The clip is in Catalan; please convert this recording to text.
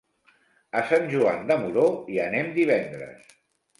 A Sant Joan de Moró hi anem divendres.